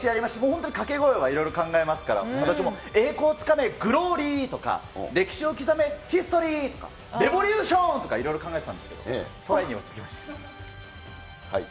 本当に掛け声はいろいろ考えますから、私も、栄光をつかめグローリー！とか、歴史を刻めヒストリー！とか、レボリューション！とかいろいろ考えてたんですけど、トライに落ち着きました。